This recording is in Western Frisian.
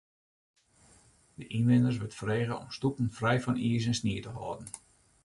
De ynwenners wurdt frege om stoepen frij fan iis en snie te hâlden.